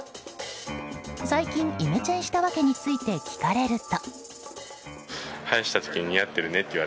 最近イメチェンした訳について聞かれると。